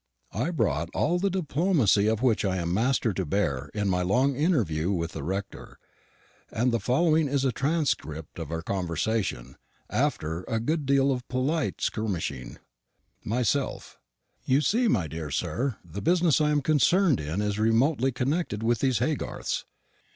I brought all the diplomacy of which I am master to bear in my long interview with the rector; and the following is a transcript of our conversation, after a good deal of polite skirmishing: Myself. You see, my dear sir, the business I am concerned in is remotely connected with these Haygarths.